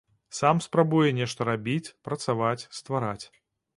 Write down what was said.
Сам спрабуе нешта рабіць, працаваць, ствараць.